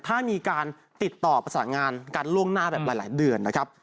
ถ้ามีการติดต่อประสานงานกันล่วงหน้าแบบหลายเดือนนะครับ